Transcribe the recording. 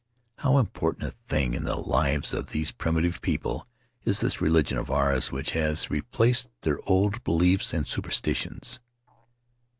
How important a thing in the lives of these primitive people is this religion of ours which has The Starry Threshold replaced their old beliefs and superstitions?